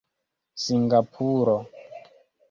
singapuro